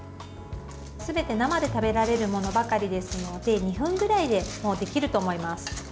すべて生で食べられるものばかりですので２分ぐらいでできると思います。